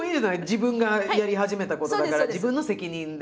自分がやり始めたことだから自分の責任で。